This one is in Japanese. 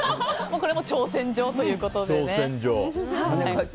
これも挑戦状ということでね。